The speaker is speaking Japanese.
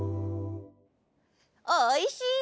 おいしいね。